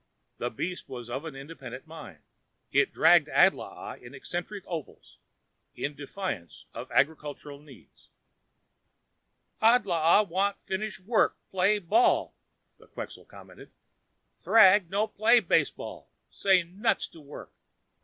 The beast was of independent mind. It dragged Adlaa in eccentric ovals, in defiance of agricultural needs. "Adlaa want finish work, play baseball," the Quxa commented. "Thrag no play baseball, say nuts to work.